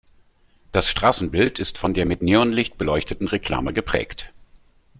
Das Straßenbild ist von der mit Neonlicht beleuchteten Reklame geprägt.